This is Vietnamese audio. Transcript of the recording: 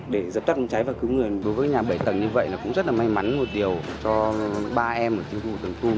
đối với nhà bảy tầng như vậy cũng rất là may mắn một điều cho ba em ở trên thủ tường tum